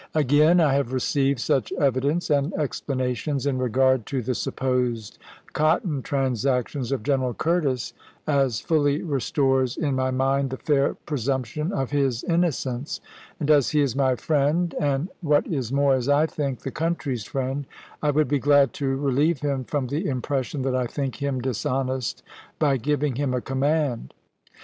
Again, I have received such evidence and explanations, in regard to the supposed cotton transactions of General Curtis, as fully restores in my mind the fair presumption of his innocence ; and, as he is my friend, and, what is more, as I think, the country's friend, I would be glad to relieve him from the impression that I think him dis honest, by giving him a command.